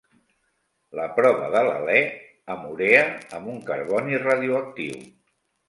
La prova de l'alè amb urea amb un carboni radioactiu.